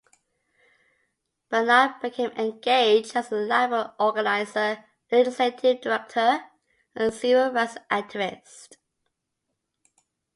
Bernard became engaged as a labor organizer, legislative director, and civil rights activist.